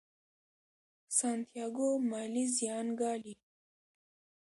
سانتیاګو مالي زیان ګالي.